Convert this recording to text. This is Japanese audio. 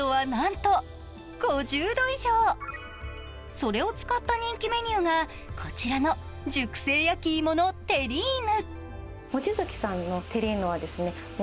それを使った人気メニューがこちらの、熟成焼き芋のテリーヌ。